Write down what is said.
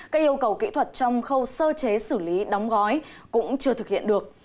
các yêu cầu kỹ thuật trong khâu sơ chế xử lý đóng gói cũng chưa thực hiện được